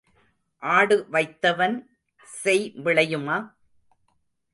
ஆடு வைத்தவன் செய் விளையுமா?